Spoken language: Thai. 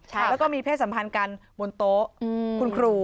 แล้วก็มีเพศสัมพันธ์กันบนโต๊ะคุณครู